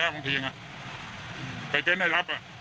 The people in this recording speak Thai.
แล้วก็เขาห่วงมืด